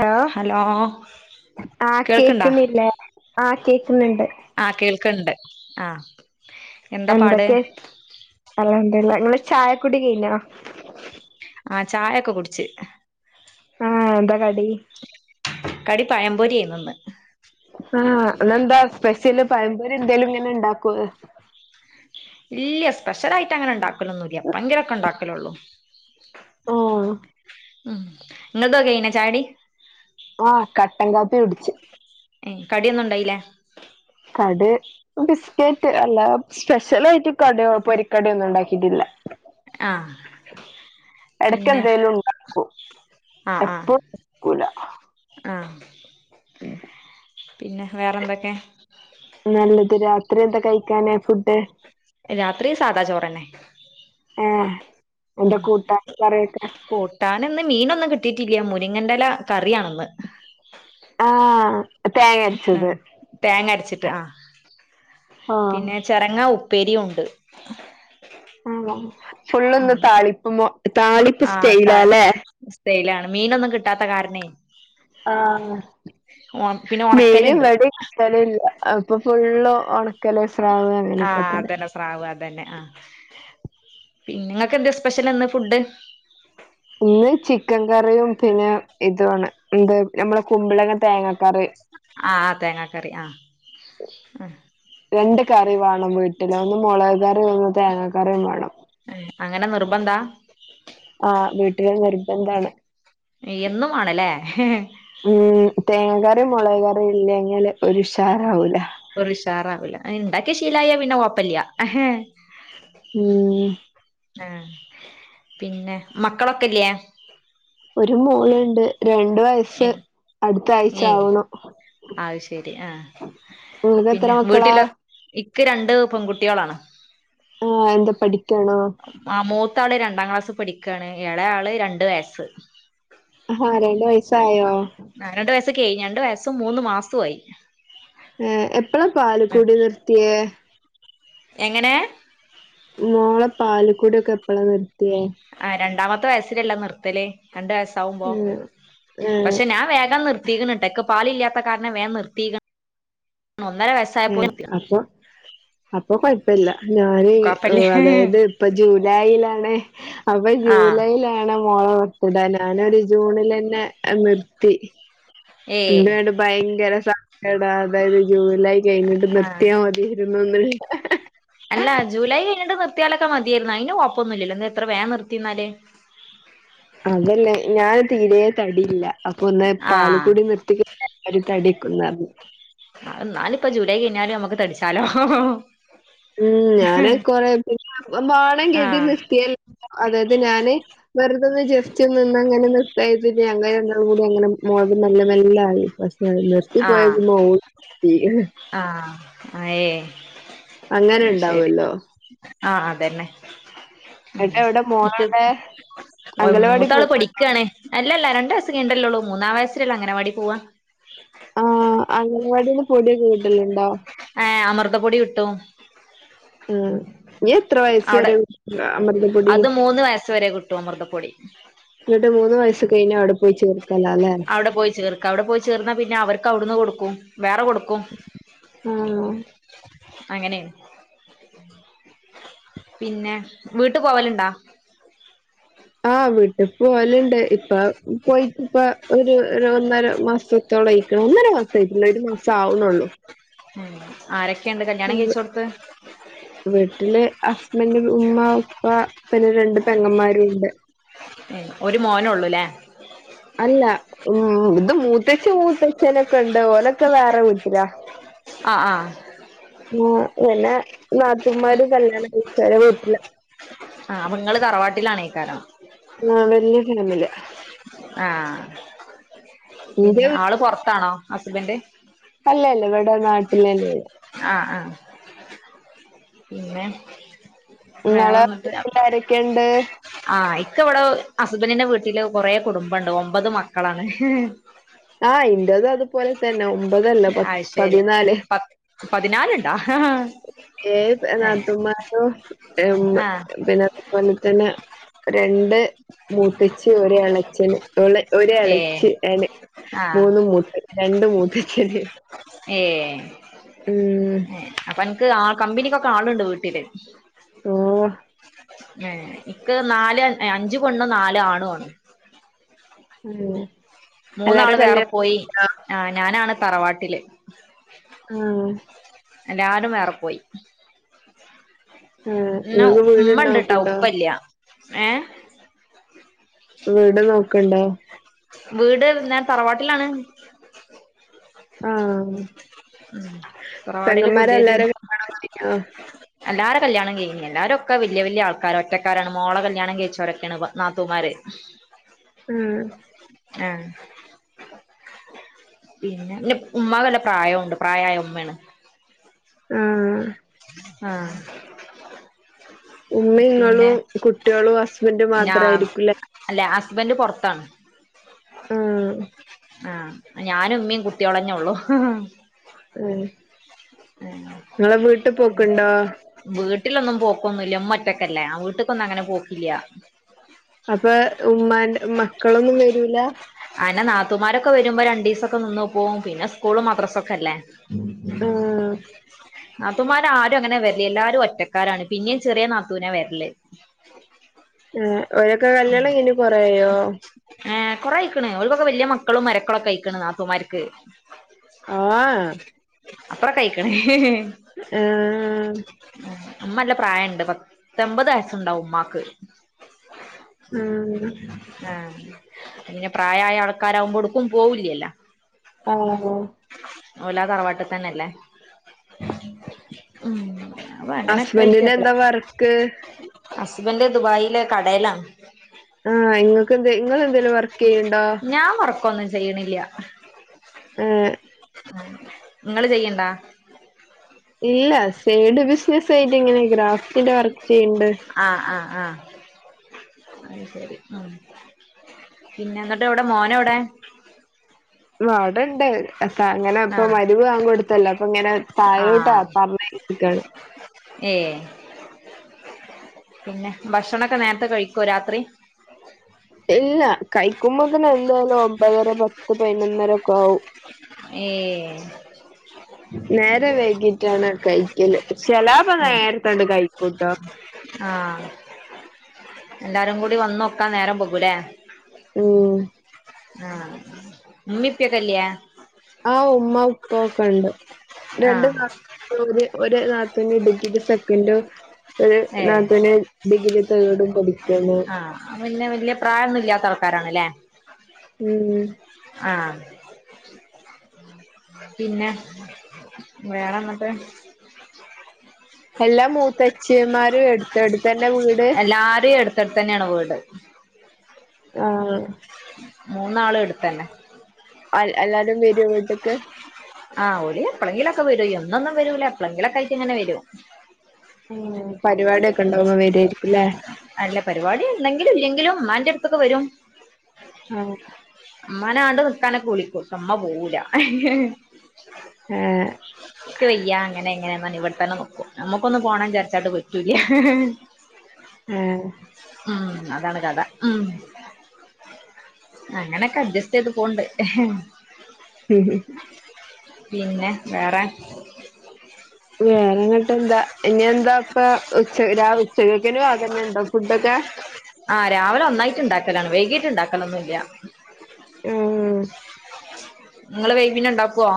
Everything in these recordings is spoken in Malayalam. ഹലോ ആ കേൾക്ക്ണ്ടാ കേക്കുന്നില്ലേ? ആഹ്‌ കേക്കുന്നുണ്ട്. ആഹ്‌ കേൾക്കുണ്ട് ആഹ്‌ എന്തക്കെ അൽഹംദുലില്ലാഹ് നിങ്ങളെ ചായക്കുടി കഴിഞ്ഞോ? ആഹ് ചായൊക്കെ കുടിച്ച് ആഹ് എന്താ കടി കടി പഴംപൊര്യെനിന്ന് ആഹ അതെന്താ സ്പെഷ്യല് പഴംപൊരി എന്തേലും ഇങ്ങനെ ണ്ടാക്കോ ഇല്യ സ്പെഷ്യൽ ആയിട്ട് അങ്ങനെ ണ്ടാ ക്കലൊന്നൂല്യ എപ്പങ്കിലൊക്കെ ഉണ്ടാക്കലൊള്ളൂ ഓ ഉം ഇങ്ങൾതൊക്ക കയിഞ്ഞേ ചായുടി ആഹ് കട്ടൻ കാപ്പി കുടിച്ച് ഏഹ് കടിയൊന്നും ണ്ടായില്ലേ കടി ബിസ്കറ്റ് അല്ല സ്പെഷ്യലായിട്ട് കടി പൊരിക്കടി ഒന്നും ണ്ടാക്കിട്ടില്ല. ആഹ് എടയ്ക്ക് പിന്നെ ന്തേലും ണ്ടാക്കും ആഹ് ആഹ് എപ്പളും ണ്ടാക്കൂല ആഹ് പിന്നെ വേറെന്തെക്കെ നല്ലത് രാത്രി എന്താ കഴിക്കാന് ഫുഡ്? രാത്രി സാധാ ചോറെന്നെ ഏഹ് എന്താ കൂട്ടാൻ കറിയൊക്കെ? ട്ടാനിന്ന് മീനൊന്നും കിട്ടിട്ടില്ല മുരിങ്ങൻ്റെല കറിയണിന്ന് ആഹ് തേങ്ങ അരിച്ചത് ഉം തേങ്ങ അരച്ചിട്ട് ആഹ് ചെരങ്ങാ ഉപ്പേരിയും ഉണ്ട്. ആണോ ഫുള്ളിന്ന് ഉം താളിപ്പും താളിപ്പ് സ്റ്റൈലാലേ സ്തയിലാണ് മീനൊന്നും കിട്ടാത്ത കാരണേ ആഹ് ഒ പിന്നെ മീന് ഒണക്കല്ണ്ട് വടിം ചലില്ല അപ്പൊ ഫുള്ളും ഒണ ആഹ് അതെന്നെ സ്രാവ് അതന്നെ ആ പിന്നെ ങ്ങക്ക് എന്ത് സ്പെഷ്യൽ ഇന്ന് ഫുഡ് ഇന്ന് ചിക്കൻ കറിയും പിന്നെ ഇതു ആണ് എന്താ നമ്മള കുമ്പിളങ്ങ തേങ്ങാക്കറി ആഹ് തേങ്ങാ കറി ആഹ് രണ്ട് കറി വാണം വീട്ടില് ഒന്ന് മൊളക് കറിം ഒന്ന് തേങ്ങാ കറിം മാണം ഏഹ് അങ്ങനെ നിർബന്ധാ ആഹ് വീട്ട്ല് നിർബന്ധാണ്. എന്നും മാണലേ ഉം തേങ്ങക്കറിയും മുളക് കറിയും ഇല്ലെങ്കിൽ ഒരു ഉഷാറാവൂല ഒരു ഉഷാറാവില്ല അത് ണ്ടാക്കി ശീലായ പിന്നെ കൊഴപ്പല്യാ ഉം ഏഹ് പിന്നെ മക്കളൊക്കെല്യേ? ഒരു മോള്ണ്ട് രണ്ട് വയസ് ഏഹ് അട്ത്താഴ്ച്ചാവ്ണ് ആ എത്ര പിന്നെ മക്കളാ വീട്ടിലോ ഇക്ക് രണ്ട് പെൺകുട്ടികളാണ്. ആഹ് എന്താ പഠിക്യാണോ? ആഹ് മൂത്താള് രണ്ടാം ക്ലാസ് പഠിക്കാണ് ഏളേ ആള് രണ്ട് വയസ്സ് ആഹ് രണ്ട് വയസായോ? ആഹ് രണ്ടു വയസ്സ് കെയിഞ്ഞ് രണ്ടു വയസും മൂന്ന് മാസും ആയി. ഏഹ് എപ്പളാ പാലുക്കുടി നിർത്തിയേ? എങ്ങനെ മോളെ പാലക്കൂടിയൊക്കെ എപ്പളാ നിർത്തിയേ? ആഹ് രണ്ടാമത്തെ വയസ്സിലല്ലേ നിർത്തല് രണ്ട് വയസ് ണ്ടാവുമ്പോ ഏഹ് ഏഹ് പക്ഷെ ഞാൻ വേഗം നിർ നിർത്തിക്ക്ണ് ട്ടാ ക്ക് പാല് ഇല്ലാത്ത കാരണം വേഗം നിർത്തി ഒന്നര വയസ്സ്‌ ഉം അപ്പൊ അപ്പൊ കുഴപ്പില്ല ഞാന് കൊഴപ്പല്ല അതായത് അപ്പം ജൂലൈയിലാണ് അപ്പൊ ആ ജൂലൈയില മോള ബർത്ത്ഡേ ഞാനൊരു ജൂണിൽ തന്നെ നിർത്തി ഏയ് [unintelligible] ഭയങ്കര സങ്കട അതായത് ജൂലൈ കഴിഞ്ഞിട്ട് ആ നിർത്തിയാൽ മതി [unintelligible] അല്ല ജൂലൈ കഴിഞ്ഞിട്ട് നിർത്തിയാലൊക്കെ മതിയായിരുന്നു അതിന് കൊഴപ്പൊന്നും ഇല്ല ഇന്ന് എത്ര വേം നിർത്തിന്നാല് അതല്ല ഞാന് തീരെ തടില്ല അപ്പൊ ഒന്ന് ആ പാല്ക്കൂടി നിർത്തിക്ക എല്ലാരും തടിക്കുന്ന് പറഞ്ഞ് എന്നാലിപ്പ ജൂലൈ കഴിഞ്ഞാലും നമ്മുക്ക് തടിച്ചാലോ ഉം ഞാന് കൊറെ പിന്നെ വാണം ആ ഗതി നിത്തിയല്ല അതായത് ഞാന് വെറുതെന്ന് ജസ്റ്റ്‌ നിന്ന അങ്ങനെ [unintelligible] ആയി ഞങ്ങ രണ്ടോൾ കൂടി അങ്ങനെ [unintelligible] മെല്ല മെല്ല ആയി പക്ഷെ നിർത്തി പോയാ പിന്നെ ആഹ് അയേ അങ്ങനെ അയ്ശരി ഉണ്ടാവുമല്ലോ ആഹ് അതന്നെ ഉം ഏട്ടാ എവിടെ ഇക്ക് മോളെവിടെ അംഗനവാടി മൂത്താള് പോക്കോ പഠി ക്കാണ് അല്ലല്ല രണ്ട് വയസ്സ്‌ കയിഞ്ഞിട്ടല്ലേ ഉള്ളു മൂന്നാം വയസ്സിലല്ലേ അഗനവാടി പോവാ അഗനവാടിന്ന് പൊടിയൊക്കെ കിട്ടലുണ്ടോ ആഹ് അമൃതപ്പൊടി കിട്ടും ഉം ഇനി എത്ര വയസ് അവിടെ വരെ അമൃതപ്പൊടി അത് മൂന്ന് വയസ്സ് വരെ കി ട്ടും അമൃതപ്പൊടി എന്നിട്ട് മൂന്ന് വയസ്സ് കയിഞ്ഞ അവിടെ പോയി ചേർക്കല അല്ലേ അവിടെ പോയി ചേർ ക്ക അവിടെ പോയി ചേർന്നാ പിന്നെ അവർക്ക്‌ അവുടുന്ന് കൊടുക്കും വേറെ കൊടുക്കും ആഹ് അങ്ങനെയ പിന്നെ വീട്ട് പോവലുണ്ടാ ആഹ് വീ ട്ട് പോവാലുണ്ട് ഇപ്പ പോയിട്ടിപ്പൊ ഒരു ഒര് ഒന്നര മാസത്തോളം ആയിക്കണ് ഒന്നരാ മ ഇല്ല ഒരു മാസാവുന്നുള്ളൂ ഉം ആരൊക്കെയുണ്ട് കല്യാണം കഴിച്ചോടുത്ത്‌ വീട്ടില് ഹസ്ബൻഡ് ഉമ്മ ഉപ്പ പിന്നെ രണ്ട് പെങ്ങന്മാരും ഉണ്ട് ഉം ഒരു മോനേ ഉള്ളൂല്ലേ അല്ല ഉം ഇത് മൂത്തച്ചി മൂത്തച്ഛനൊക്കെ ഉണ്ട് ഓലൊക്കെ വേറെ വീട്ടില ആഹ് ആഹ് ഏഹ് പിന്നെ നാത്തൂൻമാര് കല്യാണം കഴിച്ചോരെ വീട്ടില ആഹ് അപ്പൊ ഇങ്ങള് തറവാട്ടിലാണീക്കാണോ ആഹ് വല്ല്യ ഫാമിലിയ ആഹ് ഇന്റെ പിന്നെ വീ ആള് പുറത്താണോ ഹസ്ബൻഡ് അല്ലല്ല ഇവിടെ നാട്ടിൽ തന്നെയാ ആഹ് ആഹ് പിന്നെ നിങ്ങളെ വേറെന്നിട്ട് വീട്ടിലാരൊക്കെയുണ്ട് ആഹ് ഇക്ക് ഇവിടെ ഹസ്ബന്റിന്റെ വീട്ടില് കുറെ കുടുംബണ്ട് ഒമ്പത് മക്കളാണ് ആഹ് ഇന്റെത് അതുപോലെ തന്നെ ഒമ്പതല്ല പ പതിനാല് പതിനാലിണ്ടാ ഏയ് നാത്തൂന്മാരും ഏഹ് ആഹ് പിന്നെ അത് പോലെ തന്നെ രണ്ട് മൂത്തച്ചി ഒരു ഇളേച്ചന് ഓള് ഒരു ഏഹ് ഇളേച്ചി ആണ് ആഹ് മൂന്ന് മൂത്ത രണ്ട് മൂത്തച്ചി ഏഹ് അപ്പ അൻക്ക് ആ കമ്പനിക്കൊക്കെ ആളിണ്ട് വീട്ടില് ഓഹ് ഏഹ് ഇക്ക് നാല് അഞ്ചു പെണ്ണും നാലാണു ആണ് ഏഹ് മൂന്നാള് വേറെ പോയി ആഹ് ഞാനാണ് തറവാട്ടില് ആഹ് എല്ലാരും വേറെ പോയി ആഹ് പിന്ന നിങ്ങക്ക് വീട് ഉമ്മണ്ടട്ടാ നോക്ക്ണ്ടോ ഉപ്പല്ല ഏഹ് വീട് നോക്ക്ണ്ടോ വീട് ഞാൻ തറവാട്ടിലാണ് ആഹ് തറവാടില് പുതിയത്ണ്ട് പെങ്ങന്മാരെല്ലാരും കല്യാണം കഴിഞ്ഞോ എല്ലാര കല്യാണം കഴിഞ്ഞി എല്ലാരുംക്കെ വലിയ വലിയ ആൾക്കാര ഒറ്റക്കാരാണ് മോള കല്യാണം കഴിച്ചവരൊക്കെണ് നാത്തൂമാര് ഉം ഏഹ് പിന്നെ ഉമ്മാക്ക് നല്ല പ്രായുണ്ട് പ്രായായ ഉമ്മണ് ആഹ് ആഹ് ഉമ്മീം പിന്നെ നിങ്ങളും കുട്ടികളും ഹസ്ബൻഡും ഞാ മാത്രായിരിക്കൂല്ലെ അല്ല ഹസ്ബൻഡറ് പൊറത്താണ് ഉം ആഹ് ഞാനും ഉമ്മിമ് കുട്ടോളഞ്ഞേള്ളൂ ഏഹ് ങ്ങളെ വീട്ടിൽ പോക്കുണ്ടോ വീട്ടിലൊന്നും പോക്കൊന്നുല്ല ഉമ്മറ്റൊക്കല്ലേ ആ വീട്ടക്കൊന്നും അങ്ങനെ പോക്കില്ല അപ്പൊ ഉമ്മാന്റെ മക്കളൊന്നും വരൂല അയെന്നെ നാത്തുമാരൊക്കെ വരുമ്പോ രണ്ടീസൊക്കെ നിന്ന് പോവും പിന്നെ സ്കൂള് മദ്രസൊക്കെ അല്ലേ ആഹ് നാത്തൂമാരാരും അങ്ങനെ വരലില്ല എല്ലാരും ഒറ്റക്കാരാണ് പിന്നേം ചെറിയ നാത്തൂനാ വരല് ഏഹ് ഒരൊക്കെ കല്യാണം കഴിഞ്ഞ് കൊറേ ആയോ ഏഹ് കൊറേയായിക്കണ് ഓൽക്കൊക്കെ വലിയ മക്കളും മരക്കളൊക്കെ ആയിക്കണ് നാത്തുമാരിക്ക് ആഹ് അത്രക്കയ്ക്ക്ണ് ഏഹ് ഉമ്മല്ല പ്രായണ്ട് പത്തമ്പത് വയസ്സുണ്ടാവും ഉമ്മാക്ക് ഉം ആഹ് പിന്നെ പ്രായായ ആൾക്കാരാവുമ്പോ ഒടുക്കും പോവുല്ലല്ലോ ആഹ് ഓലാതറവാട്ടിത്തന്നെല്ലേ ഉം അപ്പ ഹസ്ബന്റിന് അങ്ങനെക്കെയായിട്ട്ല്ലെ എന്താ വർക്ക് ഹസ്ബന്റ് ദുബായിലെ കടയിലാണ് ആഹ് നിങ്ങൾക്ക് എന്ത നിങ്ങൾ എന്തെങ്കലും വർക്ക് ചെയ്യുണ്ടോ ഞാൻ വർക്കൊന്നും ചെയ്യണില്ല ഏഹ് ഇങ്ങള് ചെയ്യണിണ്ടാ ഇല്ല സേയ്ഡ് ബിസിനസ്സായിട്ട് ഇങ്ങനെ ഗ്രാഫ്റ്റിന്റെ വർക്ക് ചെയ്യണ്ട് ആഹ് ആഹ് ആഹ് പിന്നെ എന്നിട്ടെവിടെ മോനെവിടെ അവടണ്ട് അങ്ങനെ ഇപ്പ ആഹ് മായിരിബ് ബാങ്ക് കൊടുത്തല്ലോ അപ്പൊ ഇങ്ങനെ തായോട്ടാ ആഹ് പറഞ്ഞായക്കാണ് ഏഹ് പിന്നെ ഭക്ഷണൊക്കെ നേരത്തെ കഴിക്കോ രാത്രി ഇല്ല കഴിക്കുമ്പോ തന്നെ എന്തായാലും ഒമ്പതര പത്ത് പതിനൊന്നര ഒക്കെ ആകും ഏയ് നേരം വൈകി ട്ടാണ് കഴിക്കല് ചിലാപ്പ നേരത്തണ്ട് കഴിക്കൂട്ടോ ആഹ് എല്ലാരും കൂടി വന്നൊക്കാ നേരം വയ്കൂല്ലേ ഉം ആഹ് ഉമ്മി ഇപ്പി ഒക്കെ ഇല്ലേ ആഹ് ഉമ്മ ഉപ്പ ഒക്കെ ഉണ്ട് രണ്ട് ആഹ് ന ഒരു ഒരു നാത്തൂൻ ഡിഗ്രി സെക്കൻഡ് ഒരു ഏഹ് നാത്തൂൻ ന് ഡിഗ്രി തേടും പഠിക്കും ആഹ് പിന്നെ വല്യ പ്രായൊന്നും ഇല്ലാത്ത ആൾക്കാരാണ്ല്ലേ ഉം ആഹ് ഉം പിന്നെ വേറെ ന്നിട്ട് ! ! എല്ലാ മൂത്തച്ഛിമാരും എടുത്ത് എടുത്തു തന്നെ വീ എല്ലാരും എടുത്ത്ടുത്ത് തന്നെയാണ് വീട് ആഹ് മൂന്നാളും എടുത്തന്നെ എല്ലാരും വരൂ വീട്ട്ക്ക് ആഹ് ഓര് എപ്പള്ളങ്കിലൊക്കെ വരൂ എന്നെന്നും വരൂല എ്പ്പ ള ങ്കിലൊക്കെ ആയിറ്റ് ഇങ്ങനെ വരും ഉം പരിപാടി ഒക്കെ ഉണ്ടാവുമ്പം വെര് ആയിരിക്കുംല്ലേ അല്ല പരിപാടി ഉണ്ടെക്കിലും ഇല്ലെങ്കിലുംമ്മാന്റെ അടുത്ത്ക്ക്‌ വരും ആഹ് ഇമ്മാനെ ആണ്ട് നിക്കാനൊക്കെ വിളിക്കൂ ഇമ്മ പോവൂല്ല ഏ ഇൻക് വയ്യ അങ്ങന ഇങ്ങനെയാ ഇവിടെതന്നെനിക്കും നമുക്കൊന്ന് പോണം വിചാരിച്ചട്ട് വയ്യാ ഏ ഉം അതാണ് കഥ ളം അങ്ങനൊക്കെ അഡ്ജസ്റ്റ് ചെയ്ത് പോവ്ണ്ട് ഉം പിന്നെ വേറെ വേറെങ്ങട്ട് എന്താ ഇങ്ങ എന്താ ഇപ്പ ഉച്ച ഉച്ചകൊക്ക തന്നെ ഉണ്ടോ ഫുഡ് ഒക്കെ ആഹ് രാവിലെ ഒന്നായിട്ട് ഉണ്ടാക്കലാണ് വൈകീട്ട് ഉണ്ടാക്കലൊന്നുംല്ല ഉം ! ! നിങ്ങള് വൈ പിന്നെ ഉണ്ടാകോ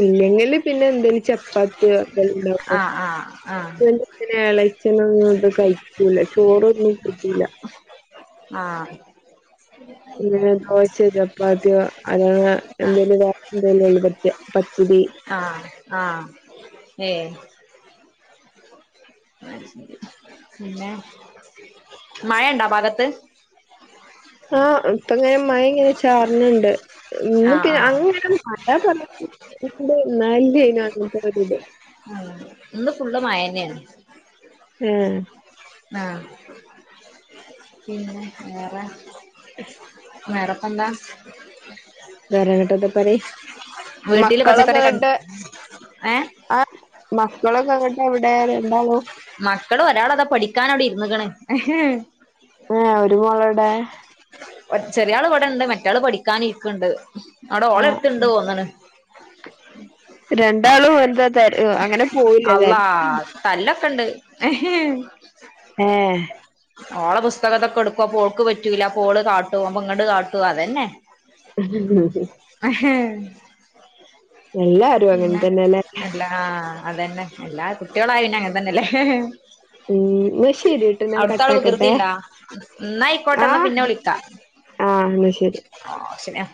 ഇല്ലെങ്കില് പിന്നെ എന്തേലും ചപ്പാത്തിയോ എന്തേലും ഉണ്ടാ ആ ആ ആഹ് പിന്നെ ഇളച്ചള നൊന്നും അത് കഴിക്കൂല ചോറൊന്നും കൂട്ടുല്ലാ ആഹ് പിന്നെ ദോശ, ചപ്പാത്തിയോ അതാണ് എന്തേലും വേറെ എന്തേലും ഉള്ള പറ്റാ പത്തിരി ആഹ് ആഹ് ഏ പിന്നെ മഴ ഉണ്ടോ ഭാഗത്ത് ആഹ് ഇപ്പങ്ങനെ മഴ ഇങ്ങനെ ചാർ ണ് ണ്ട് ആ ഇന്ന് ആ പിന്നെ അങ്ങനെ അതാ [unintelligible] ഇ ന്ന് ഫുള്ള് മായന്നെണ് ഏഹ് ആഹ് പിന്ന വേറെ ശ വേറെപ്പന്താ വേറെങ്ങോട്ടന്ത പറി വീട്ടില് മക്കളൊക്കെ പച്ചക്കറിയൊക്കെ ഇങ്ങട്ട് ഏ ആ മക്കളൊക്കെ എന്നിട്ട് എവിടെ രണ്ടാളും മക്കള് ഒരാളതാ പഠിക്കാനവിടെ ഇരുന്ന്ക്ണ് ഏഹ് ഒരു മോളെവിടെ ചെറിയൾ വടെണ്ട് മറ്റേള് പഠിക്കാനിരിക്കണ്ട് അവിടെ ആ ഓളെട് ത്ത്ണ്ട് തോന്നണ് രണ്ടാളും എന്താ തെര് അങ്ങനെ പോയില്ല അള്ളാ ചാരി തല്ലൊക്കെ ഇണ്ട് ഏഹ് ഓളെ പുസ്തകതൊക്കെ എടുക്കു അപോൾക്ക് പറ്റൂല അപോള് കാട്ടുമ് അപൊങ്ങണ്ട് കാട്ടുമ് അതന്നെ ഉ അഹ് എല്ലാരും അങ്ങനെ തന്നെല്ലേ? അല്ല ആ ഹ് അതന്നെ എല്ലാ കുട്ടികളായ അങ്ങനെ തന്നെല്ലേ ഉം ന്നാ ശെരി അവ്ട്ത്ത ആള് വികൃതിണ്ടാ എന്നായിക്കോട്ടെ ആ എന്നാ പിന്നെ വിളിക്കാ ആ ന്നാ ശരി ആഹ് ശരിയ